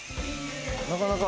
なかなか。